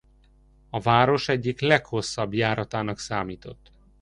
A város egyik leghosszabb járatának számított.